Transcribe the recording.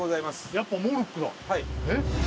やっぱモルックだえっ？